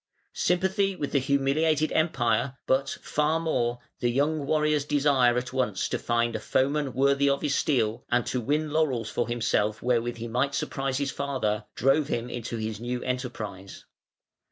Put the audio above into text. Sympathy with the humiliated Empire, but, far more, the young warrior's desire at once to find "a foeman worthy of his steel", and to win laurels for himself wherewith he might surprise his father, drove him into his new enterprise.